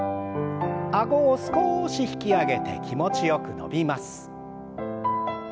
あごを少し引き上げて気持ちよく伸びます。